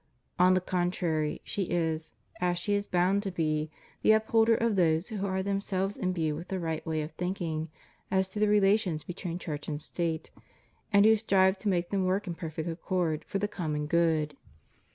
On the contrary, she is (as she is bound to be) the upholder of those who are themselves imbued with the right way of thinking as to the relations between Church and State, and who strive to make them work in perfect accord for the common good.